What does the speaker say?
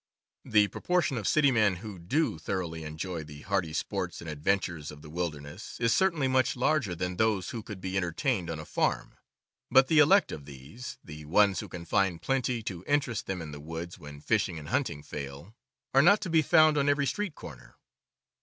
The proportion of city men who do thoroughly enjoy the hardy sports and adventures of the wilderness is cer tainly much larger than those who could be entertained on a farm; but the elect of these, the ones who can find plenty to interest them in the woods when fishing and hunting fail, are not to be found on every street corner.